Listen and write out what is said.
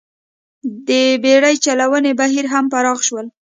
د بېړۍ چلونې بهیر هم پراخ شول